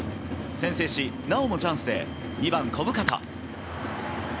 先制し、なおもチャンスで２番小深田。